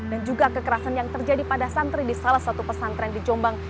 dan juga kekerasan yang terjadi pada santri di salah satu pesantren di jombang